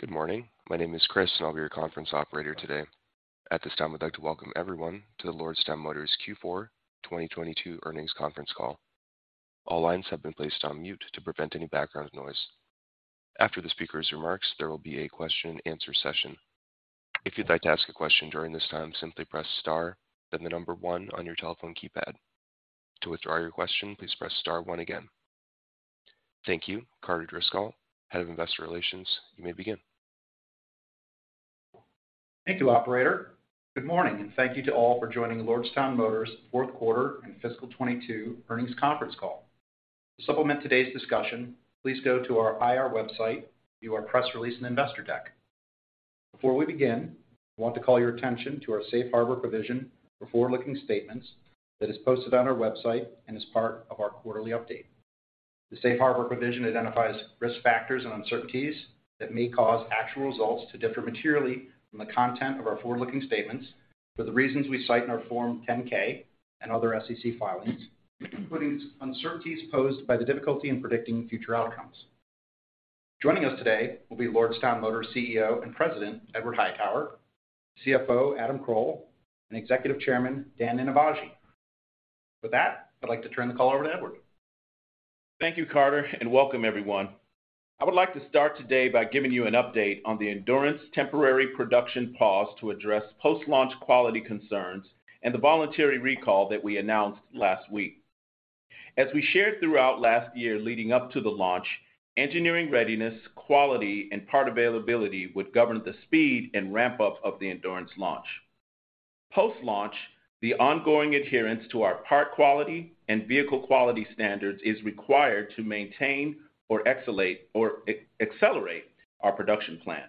Good morning. My name is Chris, and I'll be your conference operator today. At this time, I'd like to welcome everyone to the Lordstown Motors Q4 2022 earnings conference call. All lines have been placed on mute to prevent any background noise. After the speaker's remarks, there will be a question-and-answer session. If you'd like to ask a question during this time, simply press star, then the number one on your telephone keypad. To withdraw your question, please press star one again. Thank you. Carter Driscoll, Head of Investor Relations, you may begin. Thank you, operator. Good morning, thank you to all for joining Lordstown Motors fourth quarter and fiscal 2022 earnings conference call. To supplement today's discussion, please go to our IR website, view our press release and investor deck. Before we begin, I want to call your attention to our safe harbor provision for forward-looking statements that is posted on our website and is part of our quarterly update. The safe harbor provision identifies risk factors and uncertainties that may cause actual results to differ materially from the content of our forward-looking statements for the reasons we cite in our Form 10-K and other SEC filings, including uncertainties posed by the difficulty in predicting future outcomes. Joining us today will be Lordstown Motors CEO and President, Edward Hightower, CFO, Adam Kroll, and Executive Chairman, Dan Ninivaggi. With that, I'd like to turn the call over to Edward. Thank you, Carter, and welcome everyone. I would like to start today by giving you an update on the Endurance temporary production pause to address post-launch quality concerns and the voluntary recall that we announced last week. As we shared throughout last year leading up to the launch, engineering readiness, quality, and part availability would govern the speed and ramp-up of the Endurance launch. Post-launch, the ongoing adherence to our part quality and vehicle quality standards is required to maintain or accelerate our production plan.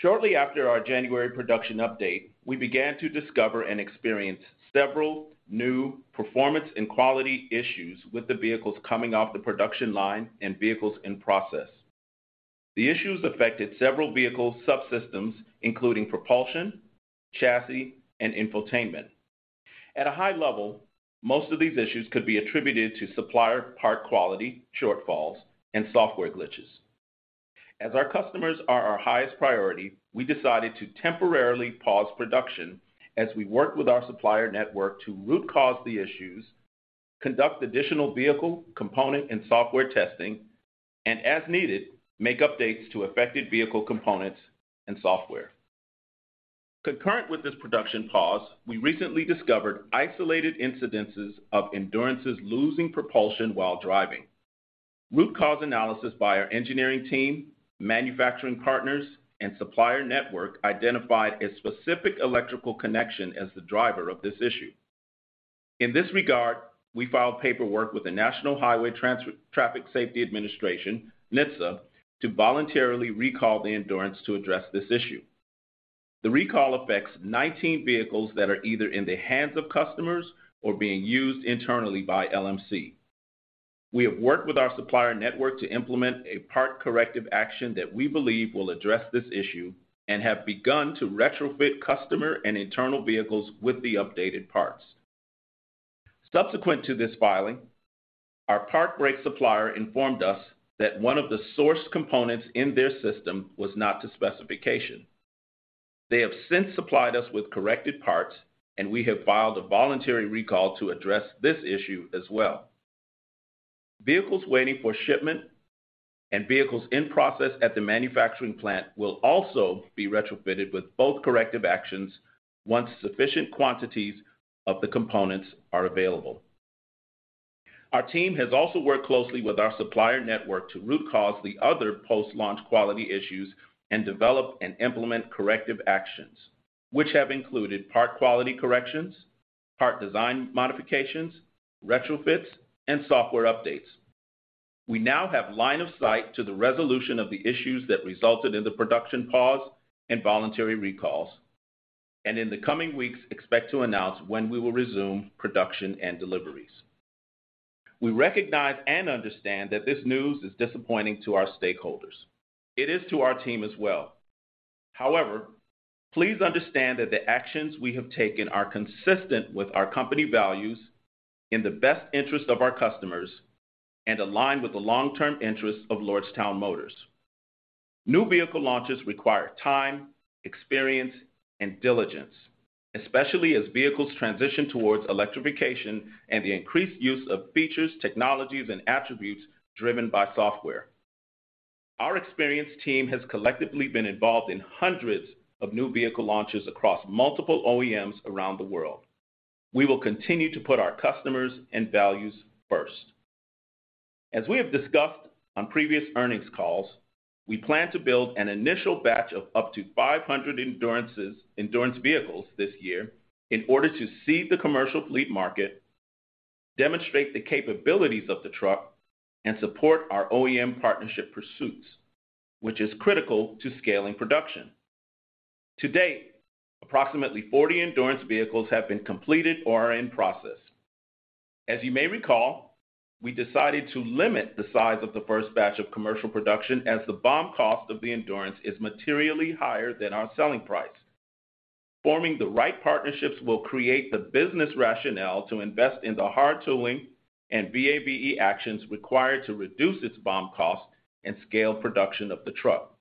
Shortly after our January production update, we began to discover and experience several new performance and quality issues with the vehicles coming off the production line and vehicles in process. The issues affected several vehicle subsystems, including propulsion, chassis, and infotainment. At a high level, most of these issues could be attributed to supplier part quality shortfalls and software glitches. As our customers are our highest priority, we decided to temporarily pause production as we work with our supplier network to root cause the issues, conduct additional vehicle, component, and software testing, and as needed, make updates to affected vehicle components and software. Concurrent with this production pause, we recently discovered isolated incidences of Endurances losing propulsion while driving. Root cause analysis by our engineering team, manufacturing partners, and supplier network identified a specific electrical connection as the driver of this issue. In this regard, we filed paperwork with the National Highway Traffic Safety Administration, NHTSA, to voluntarily recall the Endurance to address this issue. The recall affects 19 vehicles that are either in the hands of customers or being used internally by LMC. We have worked with our supplier network to implement a part corrective action that we believe will address this issue and have begun to retrofit customer and internal vehicles with the updated parts. Subsequent to this filing, our park brake supplier informed us that one of the sourced components in their system was not to specification. They have since supplied us with corrected parts, and we have filed a voluntary recall to address this issue as well. Vehicles waiting for shipment and vehicles in process at the manufacturing plant will also be retrofitted with both corrective actions once sufficient quantities of the components are available. Our team has also worked closely with our supplier network to root cause the other post-launch quality issues and develop and implement corrective actions, which have included part quality corrections, part design modifications, retrofits, and software updates. We now have line of sight to the resolution of the issues that resulted in the production pause and voluntary recalls, and in the coming weeks, expect to announce when we will resume production and deliveries. We recognize and understand that this news is disappointing to our stakeholders. It is to our team as well. However, please understand that the actions we have taken are consistent with our company values in the best interest of our customers and aligned with the long-term interests of Lordstown Motors. New vehicle launches require time, experience, and diligence, especially as vehicles transition towards electrification and the increased use of features, technologies, and attributes driven by software. Our experienced team has collectively been involved in hundreds of new vehicle launches across multiple OEMs around the world. We will continue to put our customers and values first. As we have discussed on previous earnings calls, we plan to build an initial batch of up to 500 Endurance vehicles this year in order to seed the commercial fleet market, demonstrate the capabilities of the truck, and support our OEM partnership pursuits, which is critical to scaling production. To date, approximately 40 Endurance vehicles have been completed or are in process. As you may recall, we decided to limit the size of the first batch of commercial production as the BOM cost of the Endurance is materially higher than our selling price. Forming the right partnerships will create the business rationale to invest in the hard tooling and VAVE actions required to reduce its BOM cost and scale production of the truck.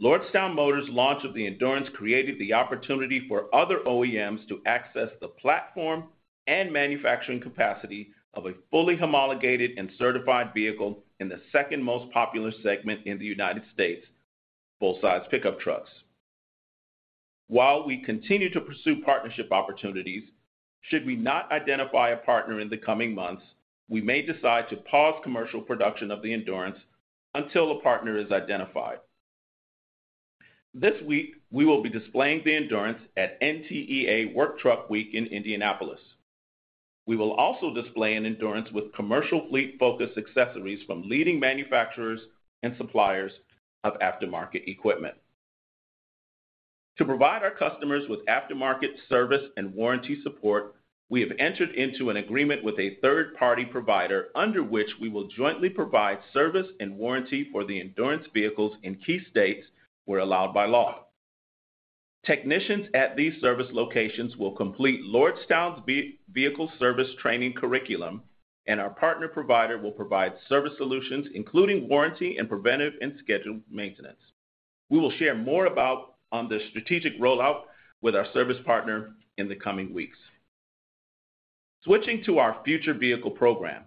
Lordstown Motors' launch of the Endurance created the opportunity for other OEMs to access the platform and manufacturing capacity of a fully homologated and certified vehicle in the second most popular segment in the United States, full-size pickup trucks. While we continue to pursue partnership opportunities, should we not identify a partner in the coming months, we may decide to pause commercial production of the Endurance until a partner is identified. This week, we will be displaying the Endurance at NTEA Work Truck Week in Indianapolis. We will also display an Endurance with commercial fleet-focused accessories from leading manufacturers and suppliers of aftermarket equipment. To provide our customers with aftermarket service and warranty support, we have entered into an agreement with a third-party provider under which we will jointly provide service and warranty for the Endurance vehicles in key states where allowed by law. Technicians at these service locations will complete Lordstown's vehicle service training curriculum, and our partner provider will provide service solutions, including warranty and preventive and scheduled maintenance. We will share more on the strategic rollout with our service partner in the coming weeks. Switching to our future vehicle program.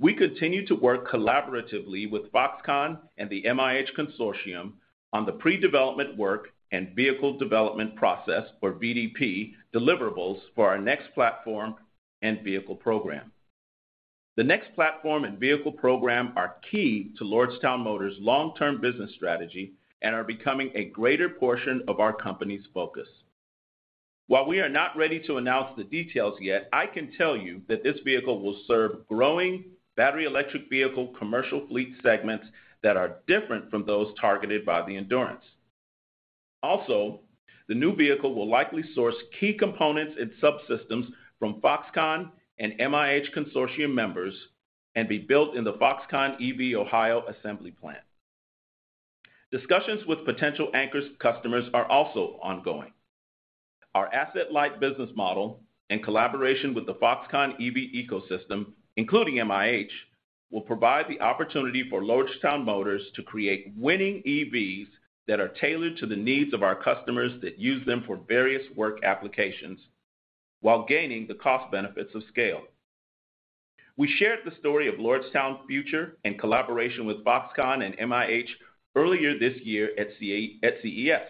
We continue to work collaboratively with Foxconn and the MIH Consortium on the pre-development work and vehicle development process, or VDP, deliverables for our next platform and vehicle program. The next platform and vehicle program are key to Lordstown Motors' long-term business strategy and are becoming a greater portion of our company's focus. While we are not ready to announce the details yet, I can tell you that this vehicle will serve growing battery electric vehicle commercial fleet segments that are different from those targeted by the Endurance. The new vehicle will likely source key components and subsystems from Foxconn and MIH Consortium members and be built in the Foxconn EV Ohio assembly plant. Discussions with potential anchor customers are also ongoing. Our asset-light business model, in collaboration with the Foxconn EV ecosystem, including MIH, will provide the opportunity for Lordstown Motors to create winning EVs that are tailored to the needs of our customers that use them for various work applications while gaining the cost benefits of scale. We shared the story of Lordstown's future and collaboration with Foxconn and MIH earlier this year at CES.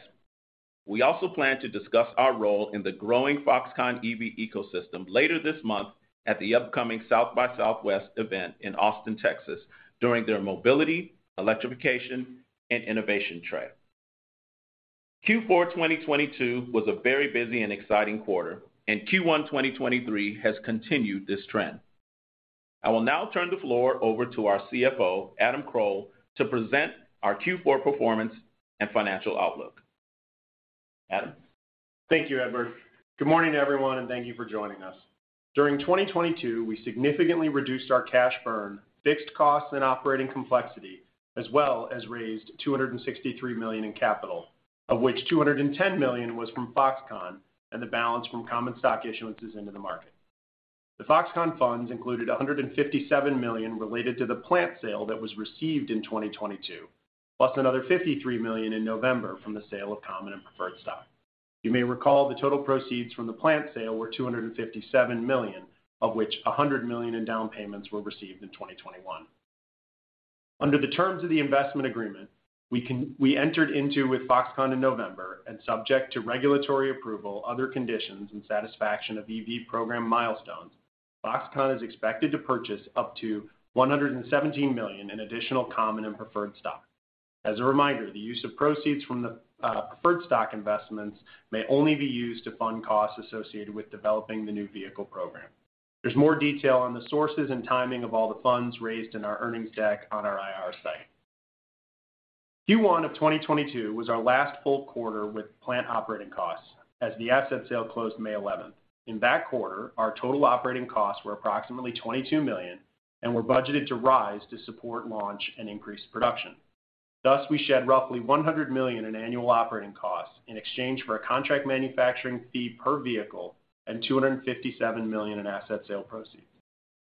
We also plan to discuss our role in the growing Foxconn EV ecosystem later this month at the upcoming South by Southwest event in Austin, Texas, during their mobility, electrification, and innovation trail. Q4 2022 was a very busy and exciting quarter, and Q1 2023 has continued this trend. I will now turn the floor over to our CFO, Adam Kroll, to present our Q4 performance and financial outlook. Adam? Thank you, Edward. Good morning, everyone, thank you for joining us. During 2022, we significantly reduced our cash burn, fixed costs and operating complexity, as well as raised $263 million in capital, of which $210 million was from Foxconn and the balance from common stock issuances into the market. The Foxconn funds included $157 million related to the plant sale that was received in 2022, plus another $53 million in November from the sale of common and preferred stock. You may recall the total proceeds from the plant sale were $257 million, of which $100 million in down payments were received in 2021. Under the terms of the investment agreement we entered into with Foxconn in November and subject to regulatory approval, other conditions and satisfaction of EV program milestones, Foxconn is expected to purchase up to $117 million in additional common and preferred stock. As a reminder, the use of proceeds from the preferred stock investments may only be used to fund costs associated with developing the new vehicle program. There's more detail on the sources and timing of all the funds raised in our earnings deck on our IR site. Q1 of 2022 was our last full quarter with plant operating costs as the asset sale closed May 11th. In that quarter, our total operating costs were approximately $22 million and were budgeted to rise to support launch and increase production. Thus, we shed roughly $100 million in annual operating costs in exchange for a contract manufacturing fee per vehicle and $257 million in asset sale proceeds.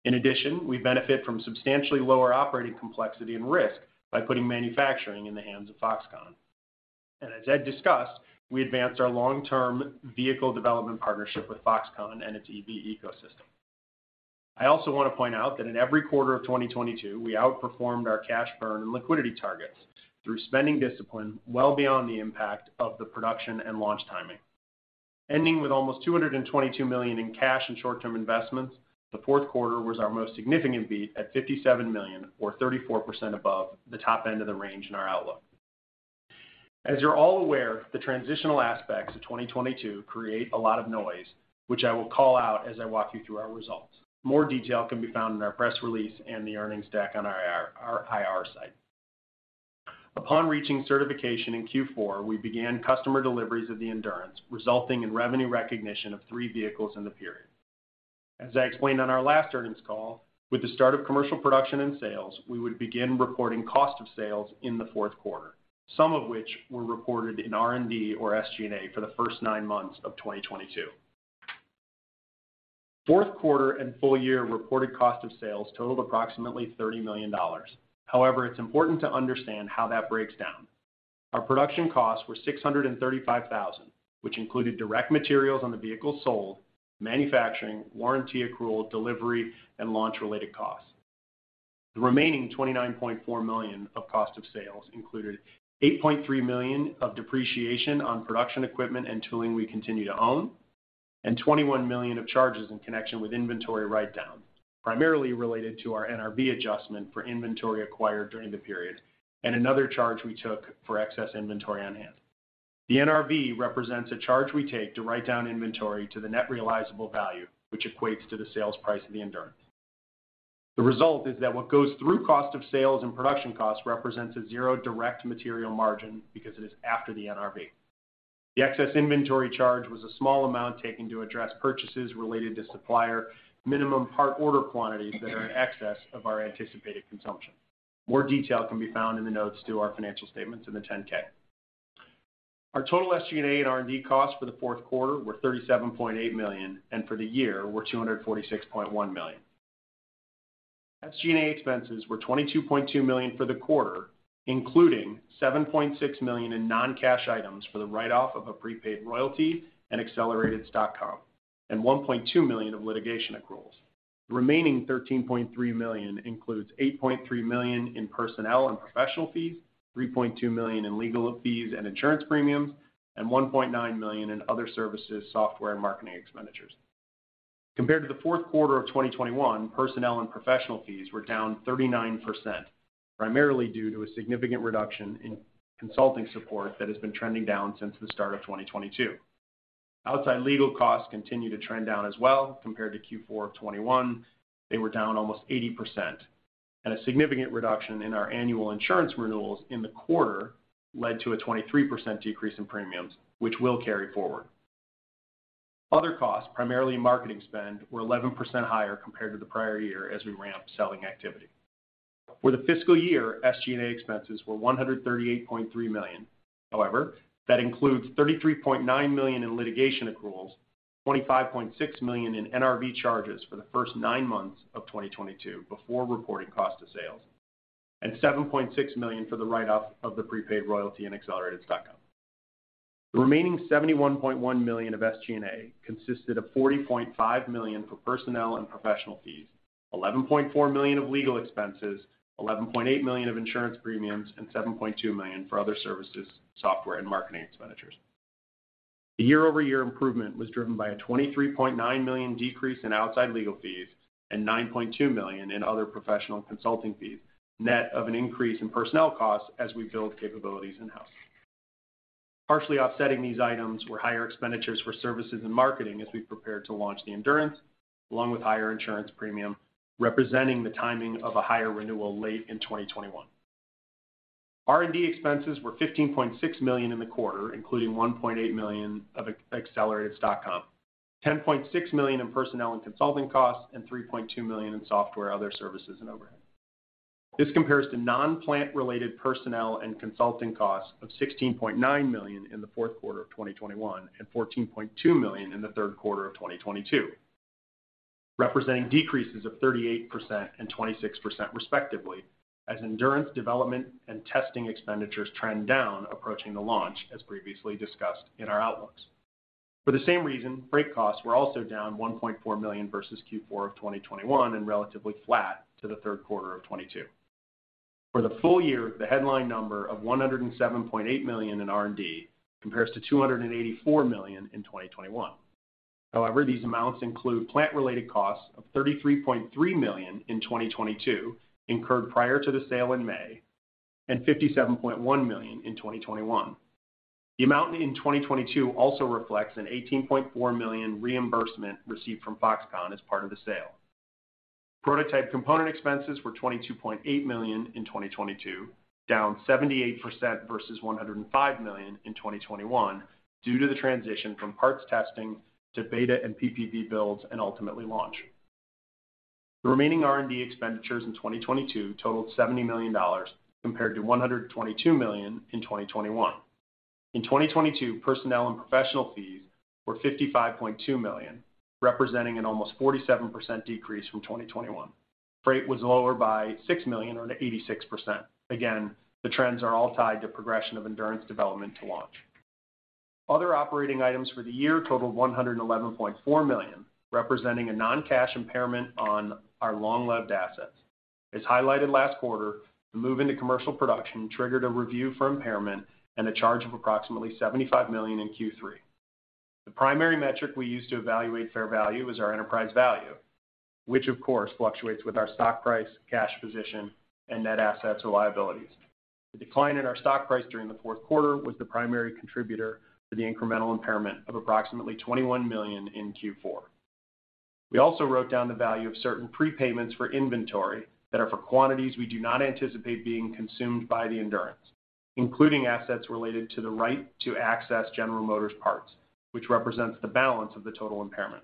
In addition, we benefit from substantially lower operating complexity and risk by putting manufacturing in the hands of Foxconn. As Ed discussed, we advanced our long-term vehicle development partnership with Foxconn and its EV ecosystem. I also wanna point out that in every quarter of 2022, we outperformed our cash burn and liquidity targets through spending discipline well beyond the impact of the production and launch timing. Ending with almost $222 million in cash and short-term investments, the fourth quarter was our most significant beat at $57 million or 34% above the top end of the range in our outlook. As you're all aware, the transitional aspects of 2022 create a lot of noise which I will call out as I walk you through our results. More detail can be found in our press release and the earnings deck on our IR site. Upon reaching certification in Q4, we began customer deliveries of the Endurance, resulting in revenue recognition of three vehicles in the period. As I explained on our last earnings call, with the start of commercial production and sales, we would begin reporting cost of sales in the fourth quarter, some of which were reported in R&D or SG&A for the first nine months of 2022. Fourth quarter and full year reported cost of sales totaled approximately $30 million. It's important to understand how that breaks down. Our production costs were $635,000, which included direct materials on the vehicle sold, manufacturing, warranty accrual, delivery, and launch-related costs. The remaining $29.4 million of cost of sales included $8.3 million of depreciation on production equipment and tooling we continue to own, and $21 million of charges in connection with inventory write-down, primarily related to our NRV adjustment for inventory acquired during the period and another charge we took for excess inventory on hand. The NRV represents a charge we take to write down inventory to the net realizable value, which equates to the sales price of the Endurance. The result is that what goes through cost of sales and production costs represents a zero direct material margin because it is after the NRV. The excess inventory charge was a small amount taken to address purchases related to supplier minimum part order quantities that are in excess of our anticipated consumption. More detail can be found in the notes to our financial statements in the Form 10-K. Our total SG&A and R&D costs for the fourth quarter were $37.8 million, and for the year were $246.1 million. SG&A expenses were $22.2 million for the quarter, including $7.6 million in non-cash items for the write-off of a prepaid royalty and accelerated stock comp, and $1.2 million of litigation accruals. The remaining $13.3 million includes $8.3 million in personnel and professional fees, $3.2 million in legal fees and insurance premiums, and $1.9 million in other services, software, and marketing expenditures. Compared to the fourth quarter of 2021, personnel and professional fees were down 39%, primarily due to a significant reduction in consulting support that has been trending down since the start of 2022. Outside legal costs continue to trend down as well. Compared to Q4 of 2021, they were down almost 80%. A significant reduction in our annual insurance renewals in the quarter led to a 23% decrease in premiums, which will carry forward. Other costs, primarily in marketing spend, were 11% higher compared to the prior year as we ramp selling activity. For the fiscal year, SG&A expenses were $138.3 million. That includes $33.9 million in litigation accruals, $25.6 million in NRV charges for the first nine months of 2022 before reporting cost of sales, and $7.6 million for the write-off of the prepaid royalty and accelerated stock comp. The remaining $71.1 million of SG&A consisted of $40.5 million for personnel and professional fees, $11.4 million of legal expenses, $11.8 million of insurance premiums, and $7.2 million for other services, software, and marketing expenditures. The year-over-year improvement was driven by a $23.9 million decrease in outside legal fees and $9.2 million in other professional consulting fees, net of an increase in personnel costs as we build capabilities in-house. Partially offsetting these items were higher expenditures for services and marketing as we prepared to launch the Endurance, along with higher insurance premium, representing the timing of a higher renewal late in 2021. R&D expenses were $15.6 million in the quarter, including $1.8 million of accelerated stock comp, $10.6 million in personnel and consulting costs, and $3.2 million in software, other services, and overhead. This compares to non-plant related personnel and consulting costs of $16.9 million in the fourth quarter of 2021 and $14.2 million in the third quarter of 2022, representing decreases of 38% and 26% respectively, as Endurance development and testing expenditures trend down approaching the launch, as previously discussed in our outlooks. For the same reason, freight costs were also down $1.4 million versus Q4 of 2021 and relatively flat to the third quarter of 2022. For the full year, the headline number of $107.8 million in R&D compares to $284 million in 2021. These amounts include plant-related costs of $33.3 million in 2022, incurred prior to the sale in May, and $57.1 million in 2021. The amount in 2022 also reflects an $18.4 million reimbursement received from Foxconn as part of the sale. Prototype component expenses were $22.8 million in 2022, down 78% versus $105 million in 2021 due to the transition from parts testing to beta and PPV builds and ultimately launch. The remaining R&D expenditures in 2022 totaled $70 million compared to $122 million in 2021. In 2022, personnel and professional fees were $55.2 million, representing an almost 47% decrease from 2021. Freight was lower by $6 million or 86%. The trends are all tied to progression of Endurance development to launch. Other operating items for the year totaled $111.4 million, representing a non-cash impairment on our long-lived assets. As highlighted last quarter, the move into commercial production triggered a review for impairment and a charge of approximately $75 million in Q3. The primary metric we use to evaluate fair value is our enterprise value, which of course fluctuates with our stock price, cash position, and net assets or liabilities. The decline in our stock price during the fourth quarter was the primary contributor to the incremental impairment of approximately $21 million in Q4. We also wrote down the value of certain prepayments for inventory that are for quantities we do not anticipate being consumed by the Endurance. Including assets related to the right to access General Motors parts, which represents the balance of the total impairment.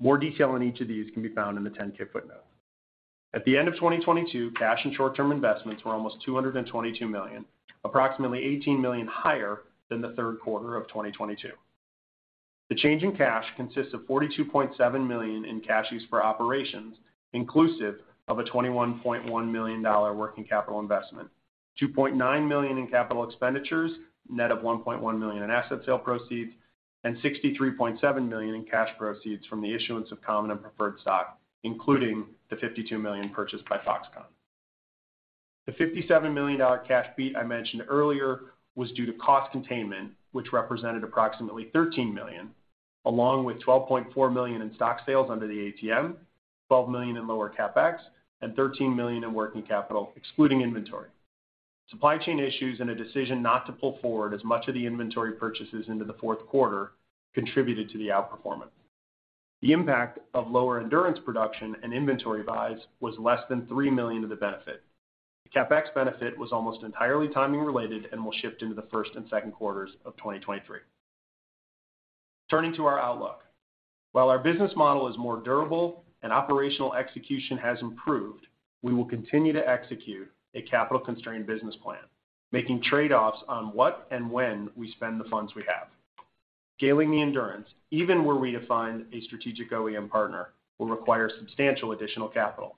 More detail on each of these can be found in the 10-K footnote. At the end of 2022, cash and short-term investments were almost $222 million, approximately $18 million higher than the third quarter of 2022. The change in cash consists of $42.7 million in cash used for operations, inclusive of a $21.1 million working capital investment, $2.9 million in capital expenditures, net of $1.1 million in asset sale proceeds, and $63.7 million in cash proceeds from the issuance of common and preferred stock, including the $52 million purchased by Foxconn. The $57 million cash beat I mentioned earlier was due to cost containment, which represented approximately $13 million, along with $12.4 million in stock sales under the ATM, $12 million in lower CapEx, and $13 million in working capital excluding inventory. Supply chain issues and a decision not to pull forward as much of the inventory purchases into the fourth quarter contributed to the outperformance. The impact of lower Endurance production and inventory buys was less than $3 million of the benefit. The CapEx benefit was almost entirely timing related and will shift into the first and second quarters of 2023. Turning to our outlook. While our business model is more durable and operational execution has improved, we will continue to execute a capital-constrained business plan, making trade-offs on what and when we spend the funds we have. Scaling the Endurance, even were we to find a strategic OEM partner, will require substantial additional capital.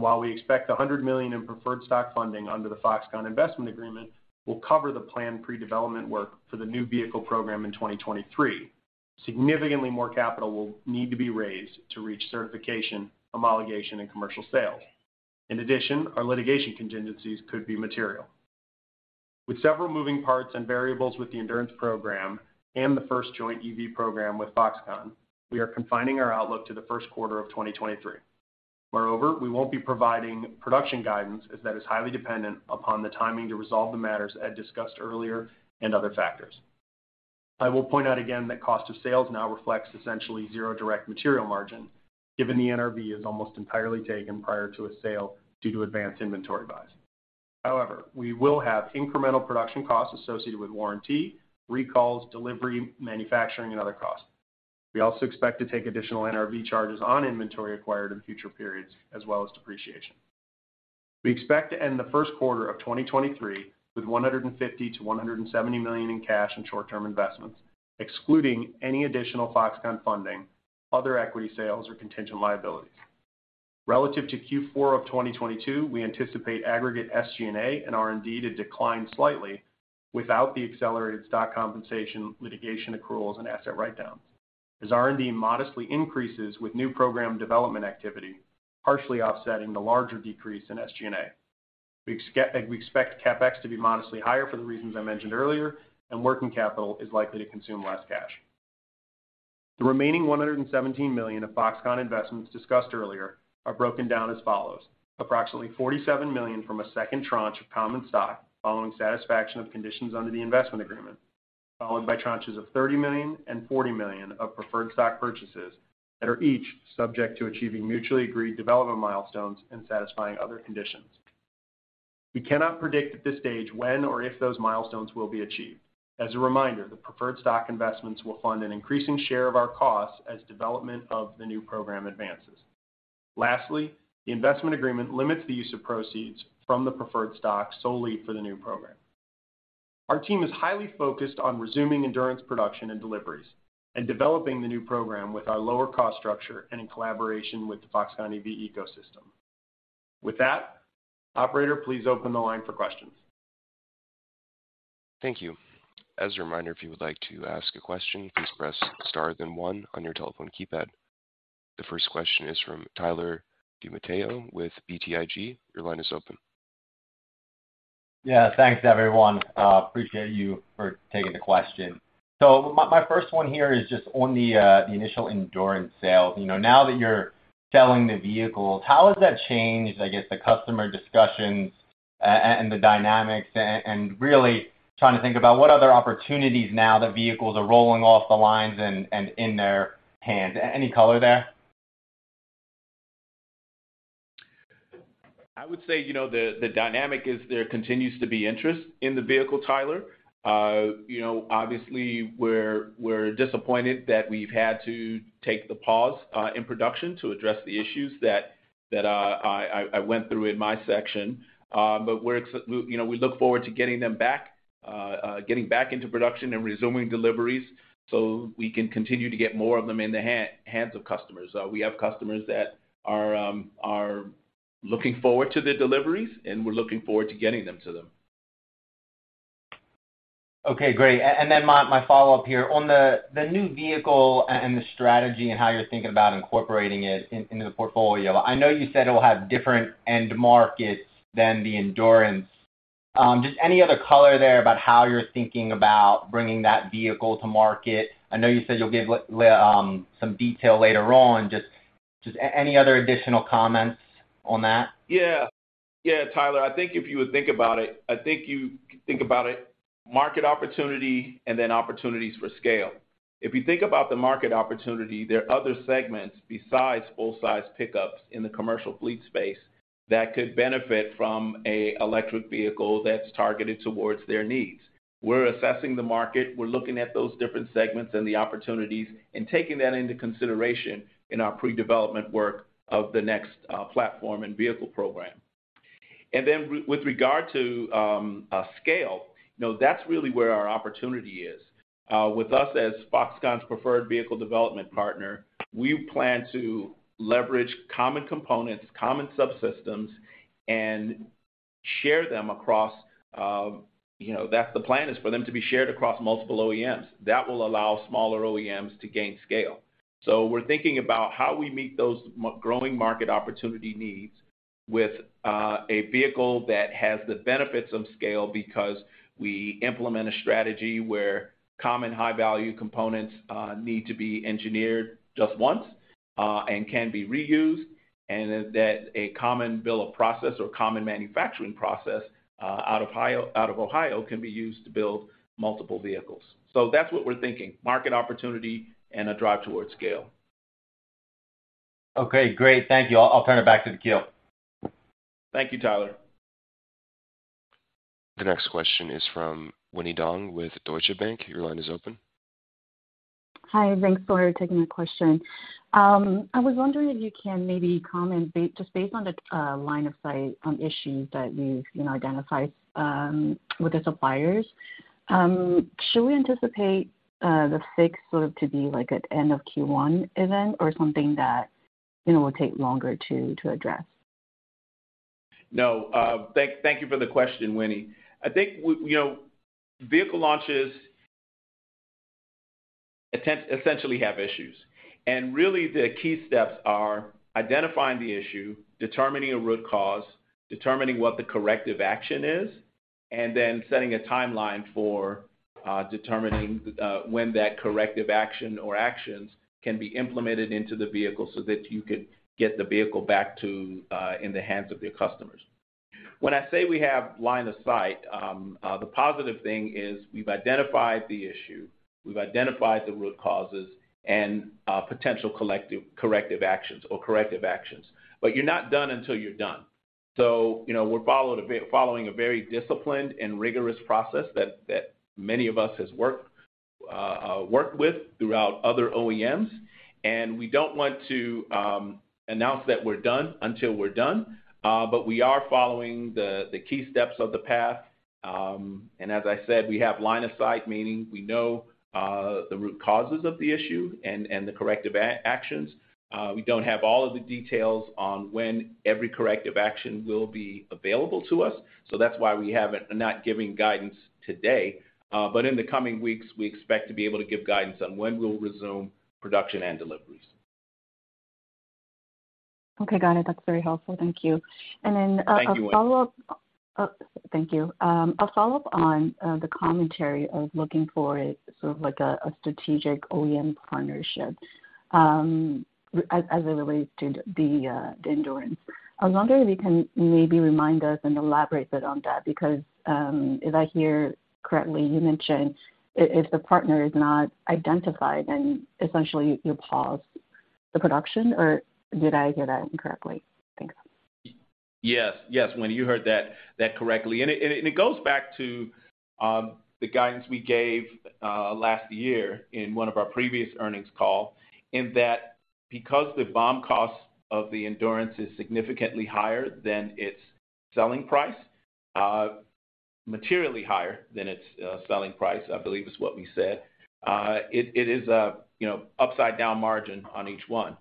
While we expect the $100 million in preferred stock funding under the Foxconn investment agreement will cover the planned pre-development work for the new vehicle program in 2023, significantly more capital will need to be raised to reach certification, homologation, and commercial sales. In addition, our litigation contingencies could be material. With several moving parts and variables with the Endurance program and the first joint EV program with Foxconn, we are confining our outlook to the first quarter of 2023. Moreover, we won't be providing production guidance as that is highly dependent upon the timing to resolve the matters Ed discussed earlier and other factors. I will point out again that cost of sales now reflects essentially zero direct material margin, given the NRV is almost entirely taken prior to a sale due to advanced inventory buys. However, we will have incremental production costs associated with warranty, recalls, delivery, manufacturing, and other costs. We also expect to take additional NRV charges on inventory acquired in future periods, as well as depreciation. We expect to end the first quarter of 2023 with $150 million-$170 million in cash and short-term investments, excluding any additional Foxconn funding, other equity sales, or contingent liabilities. Relative to Q4 of 2022, we anticipate aggregate SG&A and R&D to decline slightly without the accelerated stock compensation, litigation accruals, and asset write-downs. As R&D modestly increases with new program development activity, partially offsetting the larger decrease in SG&A. We expect CapEx to be modestly higher for the reasons I mentioned earlier, and working capital is likely to consume less cash. The remaining $117 million of Foxconn investments discussed earlier are broken down as follows: approximately $47 million from a second tranche of common stock following satisfaction of conditions under the investment agreement, followed by tranches of $30 million and $40 million of preferred stock purchases that are each subject to achieving mutually agreed development milestones and satisfying other conditions. We cannot predict at this stage when or if those milestones will be achieved. As a reminder, the preferred stock investments will fund an increasing share of our costs as development of the new program advances. Lastly, the investment agreement limits the use of proceeds from the preferred stock solely for the new program. Our team is highly focused on resuming Endurance production and deliveries and developing the new program with our lower cost structure and in collaboration with the Foxconn EV ecosystem. With that, operator, please open the line for questions. Thank you. As a reminder, if you would like to ask a question, please press star then one on your telephone keypad. The first question is from Gregory Lewis with BTIG. Your line is open. Yeah, thanks everyone. appreciate you for taking the question. My first one here is just on the initial Endurance sales. You know, now that you're selling the vehicles, how has that changed, I guess, the customer discussions and the dynamics and really trying to think about what other opportunities now that vehicles are rolling off the lines and in their hand? Any color there? I would say, you know, the dynamic is there continues to be interest in the vehicle, Tyler. You know, obviously we're disappointed that we've had to take the pause in production to address the issues that I went through in my section. We, you know, we look forward to getting them back, getting back into production and resuming deliveries so we can continue to get more of them in the hands of customers. We have customers that are looking forward to the deliveries, and we're looking forward to getting them to them. Okay, great. Then my follow-up here. On the new vehicle and the strategy and how you're thinking about incorporating it into the portfolio, I know you said it will have different end markets than the Endurance. Just any other color there about how you're thinking about bringing that vehicle to market? I know you said you'll give some detail later on. Just any other additional comments on that? Yeah, Tyler, I think if you would think about it, I think you think about it Market opportunity and then opportunities for scale. If you think about the market opportunity, there are other segments besides full-size pickups in the commercial fleet space that could benefit from a electric vehicle that's targeted towards their needs. We're assessing the market, we're looking at those different segments and the opportunities and taking that into consideration in our pre-development work of the next platform and vehicle program. With regard to scale, you know, that's really where our opportunity is. With us as Foxconn's preferred vehicle development partner, we plan to leverage common components, common subsystems, and share them across. You know, that's the plan is for them to be shared across multiple OEMs. That will allow smaller OEMs to gain scale. We're thinking about how we meet those growing market opportunity needs with a vehicle that has the benefits of scale because we implement a strategy where common high-value components need to be engineered just once and can be reused, and that a common bill of process or common manufacturing process out of Ohio can be used to build multiple vehicles. That's what we're thinking, market opportunity and a drive towards scale. Okay, great. Thank you. I'll turn it back to Chris. Thank you, Tyler. The next question is from Winnie Dong with Deutsche Bank. Your line is open. Hi. Thanks for taking the question. I was wondering if you can maybe comment just based on the line of sight on issues that you've, you know, identified with the suppliers, should we anticipate the fix sort of to be like an end of Q1 event or something that, you know, will take longer to address? No. Thank you for the question, Winnie. I think you know, vehicle launches essentially have issues. Really the key steps are identifying the issue, determining a root cause, determining what the corrective action is, and then setting a timeline for determining when that corrective action or actions can be implemented into the vehicle so that you could get the vehicle back to in the hands of your customers. When I say we have line of sight, the positive thing is we've identified the issue, we've identified the root causes and potential corrective actions or corrective actions. You're not done until you're done. you know, we're following a very disciplined and rigorous process that many of us has worked with throughout other OEMs, we don't want to announce that we're done until we're done. We are following the key steps of the path. As I said, we have line of sight, meaning we know the root causes of the issue and the corrective actions. We don't have all of the details on when every corrective action will be available to us, so that's why we are not giving guidance today. In the coming weeks, we expect to be able to give guidance on when we'll resume production and deliveries. Okay. Got it. That's very helpful. Thank you. Thank you, Winnie. A follow-up. Thank you. A follow-up on the commentary of looking for a sort of like a strategic OEM partnership as it relates to the Endurance. I was wondering if you can maybe remind us and elaborate a bit on that because if I hear correctly, you mentioned if the partner is not identified, then essentially you paused the production, or did I hear that incorrectly? Thanks. Yes. Yes, Winnie, you heard that correctly. It goes back to the guidance we gave last year in one of our previous earnings call in that because the BOM cost of the Endurance is significantly higher than its selling price, materially higher than its selling price, I believe is what we said, it is a, you know, upside-down margin on each one.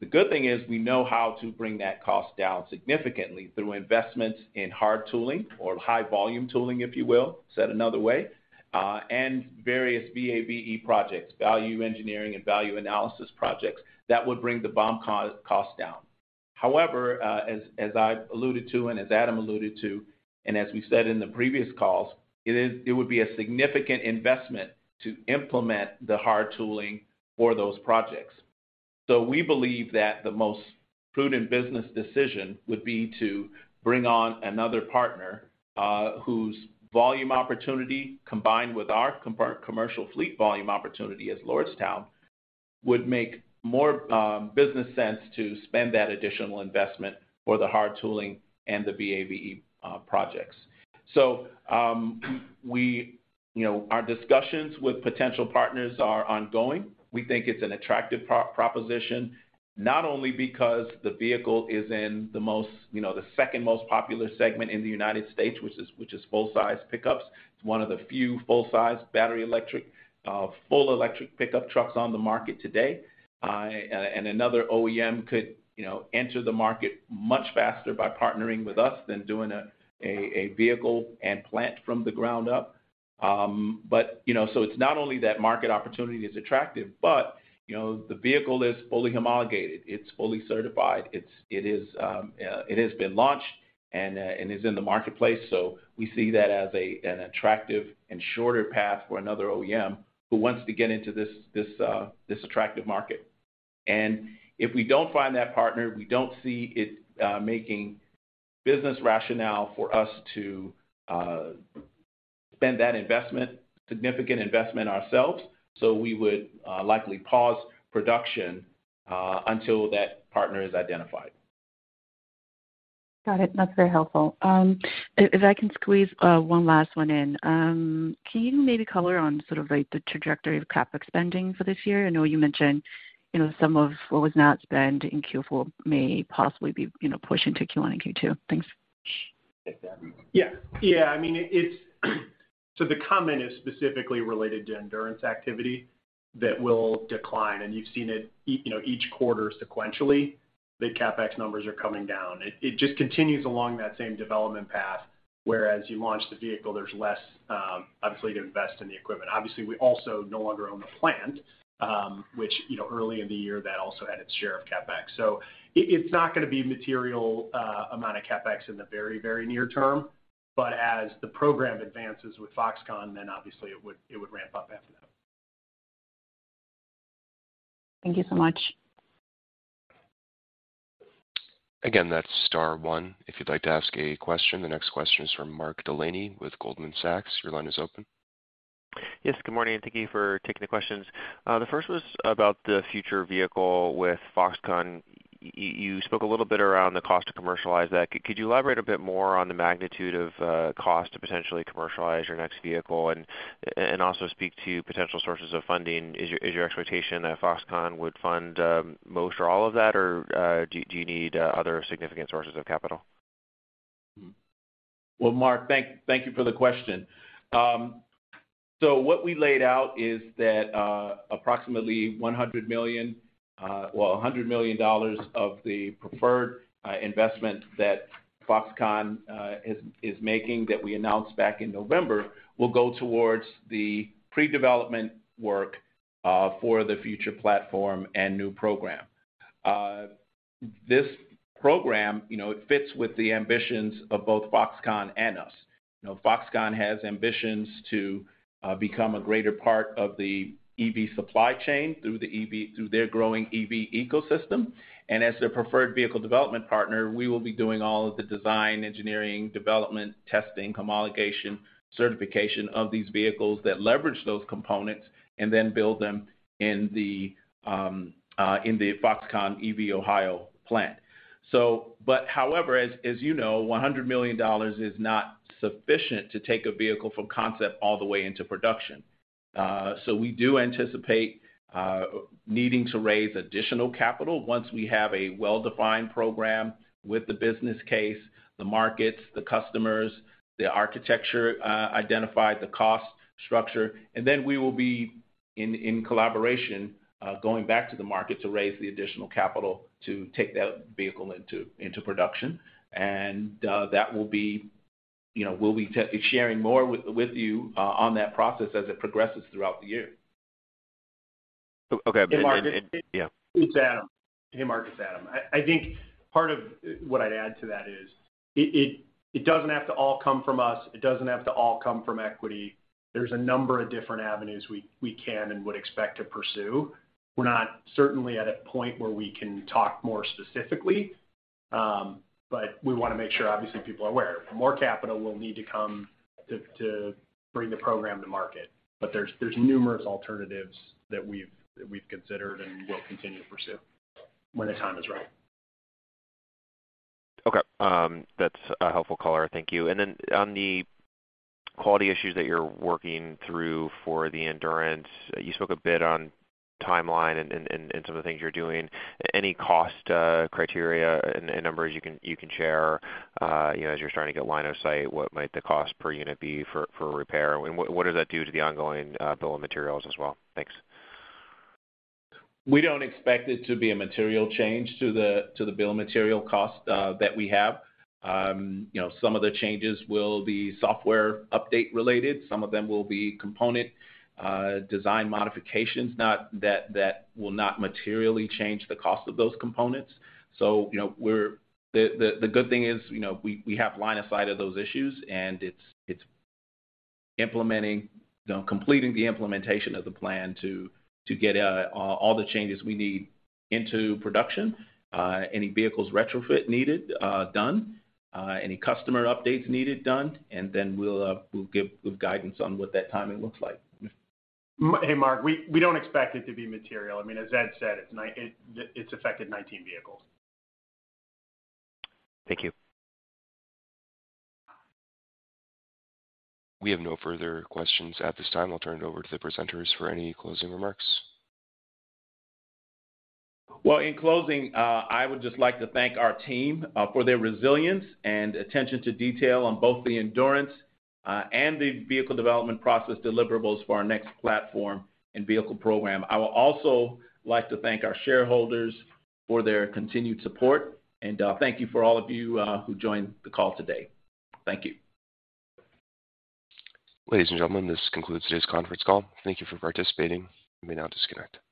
The good thing is we know how to bring that cost down significantly through investments in hard tooling or high-volume tooling, if you will, said another way, and various VAVE projects, value engineering and value analysis projects that would bring the BOM cost down. As I've alluded to, and as Adam alluded to, and as we said in the previous calls, it would be a significant investment to implement the hard tooling for those projects. We believe that the most prudent business decision would be to bring on another partner whose volume opportunity combined with our commercial fleet volume opportunity as Lordstown would make more business sense to spend that additional investment for the hard tooling and the VAVE projects. You know, our discussions with potential partners are ongoing. We think it's an attractive proposition, not only because the vehicle is in the most, you know, the second most popular segment in the United States, which is full-size pickups. It's one of the few full-size battery electric full electric pickup trucks on the market today. Another OEM could, you know, enter the market much faster by partnering with us than doing a vehicle and plant from the ground up. It's not only that market opportunity is attractive, but, you know, the vehicle is fully homologated, it's fully certified. It is, it has been launched and is in the marketplace. We see that as an attractive and shorter path for another OEM who wants to get into this attractive market. If we don't find that partner, we don't see it making business rationale for us to spend that investment, significant investment ourselves. We would likely pause production until that partner is identified. Got it. That's very helpful. If I can squeeze one last one in. Can you maybe color on sort of, like, the trajectory of CapEx spending for this year? I know you mentioned, you know, some of what was not spent in Q4 may possibly be, you know, pushed into Q1 and Q2. Thanks. Take that one. I mean, The comment is specifically related to Endurance activity that will decline, and you've seen it you know, each quarter sequentially, the CapEx numbers are coming down. It just continues along that same development path, whereas you launch the vehicle, there's less obviously to invest in the equipment. Obviously, we also no longer own the plant, which, you know, early in the year, that also had its share of CapEx. It's not gonna be material amount of CapEx in the very, very near term, but as the program advances with Foxconn, obviously it would, it would ramp up after that. Thank you so much. Again, that's star one if you'd like to ask a question. The next question is from Mark Delaney with Goldman Sachs. Your line is open. Yes, good morning, and thank you for taking the questions. The first was about the future vehicle with Foxconn. You spoke a little bit around the cost to commercialize that. Could you elaborate a bit more on the magnitude of cost to potentially commercialize your next vehicle and also speak to potential sources of funding? Is your expectation that Foxconn would fund most or all of that, or do you need other significant sources of capital? Well, Mark, thank you for the question. What we laid out is that approximately $100 million, well, $100 million of the preferred investment that Foxconn is making that we announced back in November will go towards the pre-development work for the future platform and new program. This program, you know, it fits with the ambitions of both Foxconn and us. You know, Foxconn has ambitions to become a greater part of the EV supply chain through the EV through their growing EV ecosystem. As their preferred vehicle development partner, we will be doing all of the design, engineering, development, testing, homologation, certification of these vehicles that leverage those components and then build them in the Foxconn EV Ohio plant. However, as you know, $100 million is not sufficient to take a vehicle from concept all the way into production. We do anticipate needing to raise additional capital once we have a well-defined program with the business case, the markets, the customers, the architecture identified, the cost structure. Then we will be in collaboration going back to the market to raise the additional capital to take that vehicle into production. That will be. You know, we'll be sharing more with you on that process as it progresses throughout the year. O-okay. Hey, Mark. Yeah. It's Adam. Hey, Mark, it's Adam. I think part of what I'd add to that is it doesn't have to all come from us. It doesn't have to all come from equity. There's a number of different avenues we can and would expect to pursue. We're not certainly at a point where we can talk more specifically. We wanna make sure obviously people are aware. More capital will need to come to bring the program to market. There's numerous alternatives that we've considered and will continue to pursue when the time is right. Okay. That's a helpful color. Thank you. Then on the quality issues that you're working through for the Endurance, you spoke a bit on timeline and some of the things you're doing. Any cost, criteria and numbers you can share, you know, as you're starting to get line of sight, what might the cost per unit be for repair? What does that do to the ongoing bill of materials as well? Thanks. We don't expect it to be a material change to the bill of material cost that we have. You know, some of the changes will be software update related. Some of them will be component design modifications, that will not materially change the cost of those components. You know, the good thing is, you know, we have line of sight of those issues, and it's implementing, you know, completing the implementation of the plan to get all the changes we need into production, any vehicles retrofit needed done, any customer updates needed done, then we'll give guidance on what that timing looks like. Hey, Mark. We don't expect it to be material. I mean, as Ed said, It's affected 19 vehicles. Thank you. We have no further questions at this time. I'll turn it over to the presenters for any closing remarks. Well, in closing, I would just like to thank our team for their resilience and attention to detail on both the Endurance and the vehicle development process deliverables for our next platform and vehicle program. I would also like to thank our shareholders for their continued support. Thank you for all of you who joined the call today. Thank you. Ladies and gentlemen, this concludes today's conference call. Thank you for participating. You may now disconnect.